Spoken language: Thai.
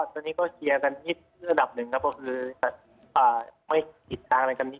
ตอนนี้ก็ครียะกันลิบระดาบนึงครับ